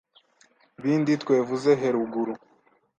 bindi twevuze heruguru.